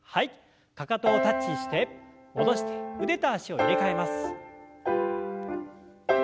かかとをタッチして戻して腕と脚を入れ替えます。